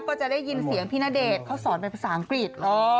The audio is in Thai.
ก็จะได้ยินเสียงพี่ณเดชน์เขาสอนเป็นภาษาอังกฤษ